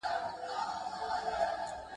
لابراتواري وینه باید د بدن لپاره خوندوره وي.